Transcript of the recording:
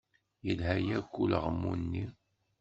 Yelha-yak ulaɣmu-nni.